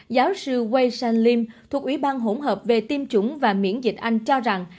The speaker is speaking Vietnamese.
giáo sư wei shan lim thuộc ủy ban hỗn hợp về tiêm chủng và miễn dịch anh cho rằng